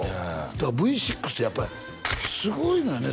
だからＶ６ってやっぱりすごいのよね